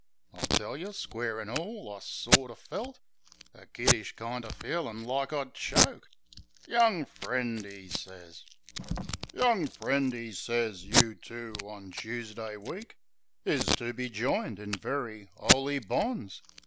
I tell yeh, square an' all. I sorter felt A kiddish kind o' feelin' like I'd choke ... "Young friend," 'e sez. "Young friend," 'e sez, "you two on Choosday week. Is to be joined in very 'oly bonds.